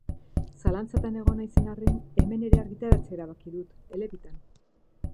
Zalantzatan egon naizen arren, hemen ere argitaratzea erabaki dut, elebitan.